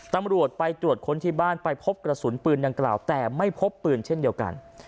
ตำรวจไปตรวจค้นที่บ้านไปพบกระสุนปืนดังกล่าวแต่ไม่พบปืนเช่นเดียวกัน